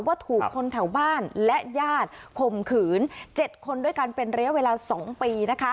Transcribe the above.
ว่าถูกคนแถวบ้านและญาติข่มขืน๗คนด้วยกันเป็นระยะเวลา๒ปี